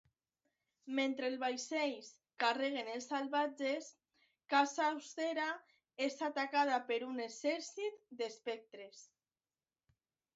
Mentre els vaixells carreguen els salvatges, Casa Austera és atacada per un exèrcit d'espectres.